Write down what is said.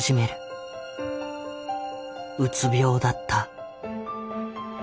うつ病だった。